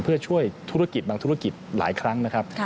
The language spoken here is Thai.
เพื่อช่วยธุรกิจบางธุรกิจหลายครั้งนะครับ